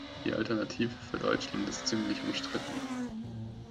Die Alternative für Deutschland ist ziemlich umstritten.